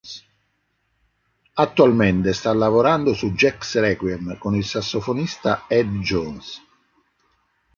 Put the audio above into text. Attualmente sta lavorando su "Jazz Requiem" con il sassofonista Ed Jones.